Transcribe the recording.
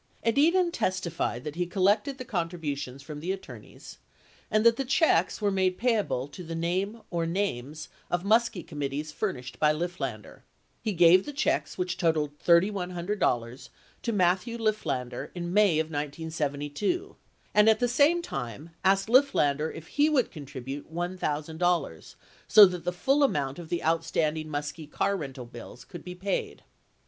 81 Edidin testified that he collected the contributions from the attor neys and that the checks were made payable to the name or names of Muskie committees furnished by Lifflander. He gave the checks which totaled $3,100 to Matthew Lifflander in May of 1972 and, at the same time, asked Lifflander if he would contribute $1,000 so that the full amount of the outstanding Muskie car rental bills could be paid.